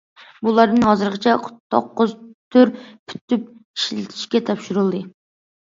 بۇلاردىن ھازىرغىچە توققۇز تۈر پۈتۈپ ئىشلىتىشكە تاپشۇرۇلدى.